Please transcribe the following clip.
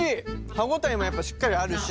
歯応えもやっぱしっかりあるし。